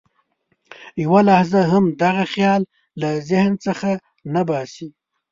یوه لحظه هم دغه خیال له ذهن څخه نه باسي.